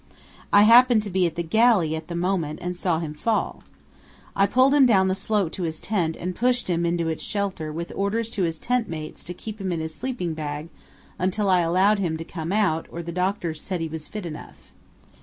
I happened to be at the galley at the moment and saw him fall. I pulled him down the slope to his tent and pushed him into its shelter with orders to his tent mates to keep him in his sleeping bag until I allowed him to come out or the doctors said he was fit enough.